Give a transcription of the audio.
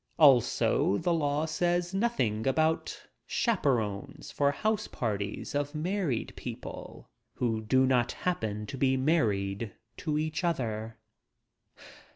Also the law says nothing about chaperones for house parties of married people — who do not happen to be married to each other.